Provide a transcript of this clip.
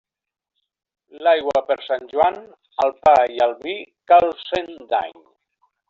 L'aigua per Sant Joan, al pa i al vi causen dany.